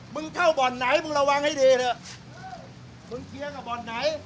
มึงเข้าบ่อนไหนมึงระวังให้ดีเถอะมึงเคียงกับบ่อนไหน